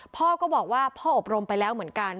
พ่อก็บอกว่าพ่ออบรมไปแล้วเหมือนกัน